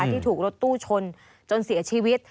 ที่ถูกรถตู้ชนจนเสียชีวิต